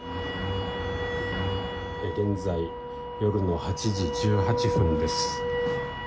現在夜の８時１８分です。